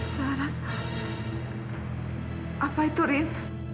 syarat apa itu rin